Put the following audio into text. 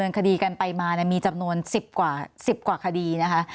ทางคดีกันไปมามีจำนวน๑๐กว่า๑๐กว่าคดีนะคะ